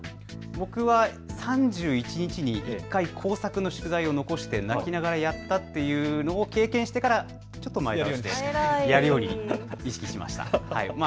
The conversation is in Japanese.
僕は３１日に１回、工作の宿題を残して泣きながらやったというのを経験してからちょっと前倒しでやるように意識しました。